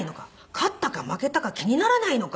勝ったか負けたか気にならないのか？